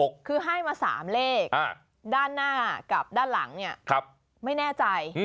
คือให้มา๓เลขด้านหน้ากับด้านหลังเนี่ยไม่แน่ใจ